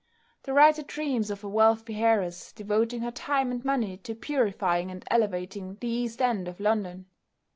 The writer dreams of a wealthy heiress devoting her time and money to purifying and elevating the East End of London.